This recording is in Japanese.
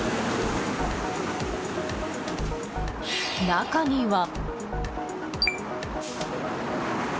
中には。